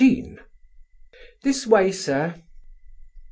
"This way, sir."